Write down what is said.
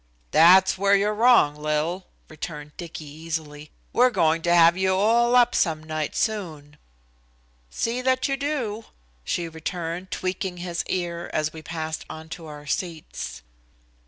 "That's where you're wrong, Lil," returned Dicky easily. "We're going to have you all up some night soon." "See that you do," she returned, tweaking his ear as we passed on to our seats.